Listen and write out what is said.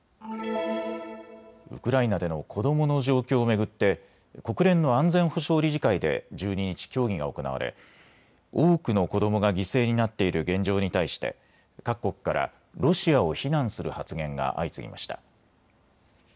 ウクライナでの子どもの状況を巡って国連の安全保障理事会で１２日、協議が行われ多くの子どもが犠牲になっている現状に対して各国からロシアを非難する発言が相次ぎました。